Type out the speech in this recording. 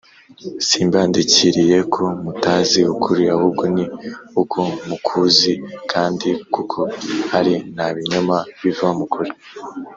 Simbandikiriye ko mutazi ukuri, ahubwo ni uko mukuzi kandi kuko ari nta binyoma biva mu kuri